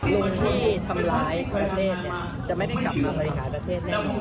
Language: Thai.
ลุงที่ทำร้ายประเทศจะไม่ได้กลับมาบริหารประเทศแน่นอน